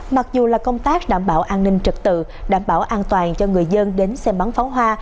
mặc dù là công tác đảm bảo an ninh trật tự đảm bảo an toàn cho người dân đến xem bắn pháo hoa